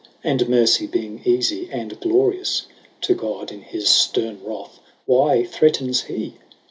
And mercy being eafie, and glorious To God ; in his fterne wrath, why threatens hee